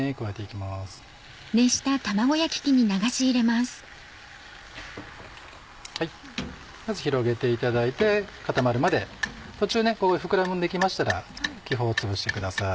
まず広げていただいて固まるまで途中膨らんできましたら気泡をつぶしてください。